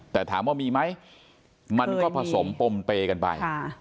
แต่ถามว่ามีไหมมันก็ผสมปมเปย์กันไป